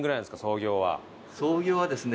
創業はですね